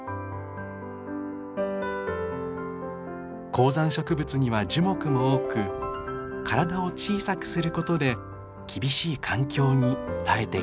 高山植物には樹木も多く体を小さくすることで厳しい環境に耐えてきたのです。